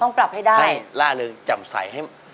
ต้องปรับให้ได้ให้ละลึงจำใส่ให้